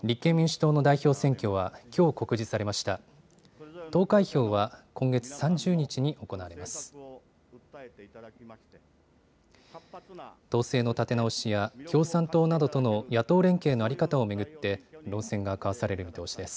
党勢の立て直しや、共産党などとの野党連携の在り方を巡って、論戦が交わされる見通しです。